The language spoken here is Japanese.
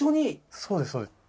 そうです、そうです。